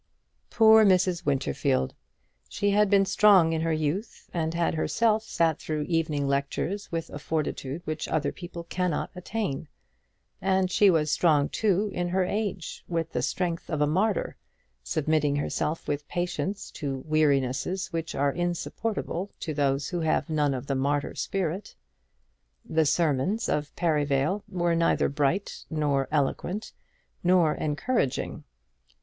Poor Mrs. Winterfield! She had been strong in her youth, and had herself sat through evening lectures with a fortitude which other people cannot attain. And she was strong too in her age, with the strength of a martyr, submitting herself with patience to wearinesses which are insupportable to those who have none of the martyr spirit. The sermons of Perivale were neither bright, nor eloquent, nor encouraging.